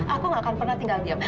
aku gak akan pernah tinggal diam